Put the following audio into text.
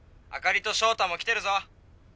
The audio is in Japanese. あかりと翔太も来てるぞ。